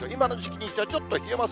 今の時期にしてはちょっと冷えます。